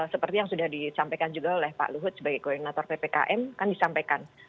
seperti yang sudah disampaikan juga oleh pak luhut sebagai koordinator ppkm kan disampaikan